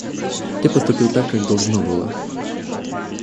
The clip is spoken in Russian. Ты поступил так, как должно было.